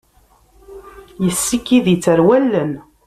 Yessikid-itt ɣer wallen.